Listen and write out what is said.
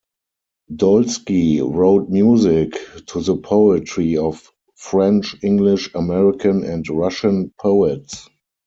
Dolsky wrote music to the poetry of French, English, American, and Russian poets.